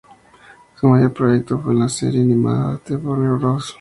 Su mayor proyecto fue en la serie animada "The Venture Bros".